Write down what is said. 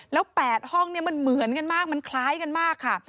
แล้ว๘ห้องเนี่ยมันเหมือนกันมากมันคล้ายกันมากค่ะ